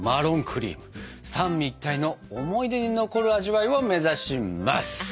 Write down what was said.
クリーム三位一体の思い出に残る味わいを目指します！